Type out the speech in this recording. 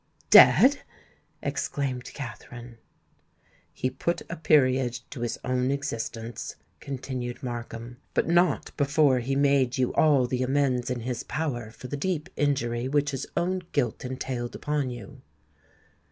"Dead!" exclaimed Katherine. "He put a period to his own existence," continued Markham; "but not before he made you all the amends in his power for the deep injury which his own guilt entailed upon you."